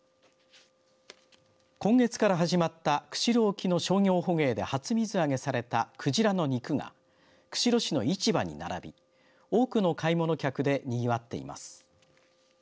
今月から始まった釧路沖の商業捕鯨で初水揚げされた鯨の肉が釧路市の市場に並び多くの買い物客でにぎわっています。